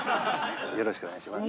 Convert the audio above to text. よろしくお願いします。